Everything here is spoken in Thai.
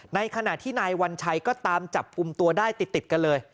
ในขณะที่นายวัญชัยก็ตามจับกลุ่มตัวได้ติดกันเลย